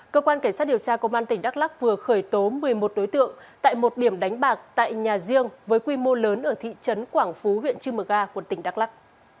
cơ quan cảnh sát điều tra công an tỉnh đắk lắc vừa khởi tố một mươi một đối tượng tại một điểm đánh bạc tại nhà riêng với quy mô lớn ở thị trấn quảng phú huyện trư mờ ga của tỉnh đắk lắc